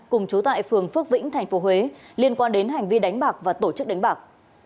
cùng chú tại phường phước vĩnh tp huế liên quan đến hành vi đánh bạc và tổ chức đánh bạc